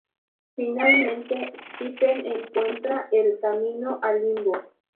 Finalmente, Stephen encuentra el camino al Limbo.